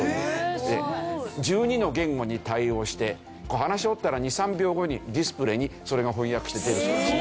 １２の言語に対応して話し終わったら２３秒後にディスプレイにそれが翻訳して出るそうです。